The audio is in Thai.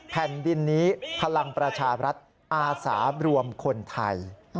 แผ่นดินนี้พลังประชารัฐอาสารวมคนไทย